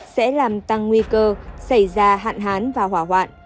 sẽ làm tăng nguy cơ xảy ra hạn hán và hỏa hoạn